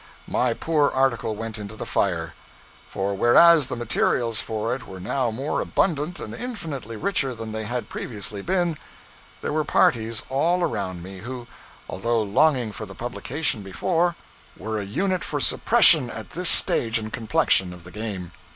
My poor article went into the fire; for whereas the materials for it were now more abundant and infinitely richer than they had previously been, there were parties all around me, who, although longing for the publication before, were a unit for suppression at this stage and complexion of the game.